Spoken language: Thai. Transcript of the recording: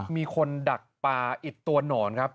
มีคนดักปลาอิดตัวหนอนครับ